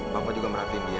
papa juga merhatiin dia